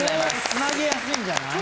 つなげやすいんじゃない？